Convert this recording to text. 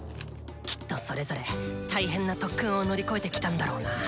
きっとそれぞれ大変な特訓を乗り越えてきたんだろうな。